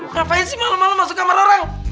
ngapain sih malem malem masuk kamar orang